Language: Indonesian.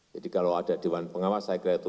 jadi kalau ada dewan pengawas saya kira itu